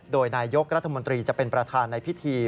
โดยนายยกรัฐมนตรีจะเป็นประธานในพิธี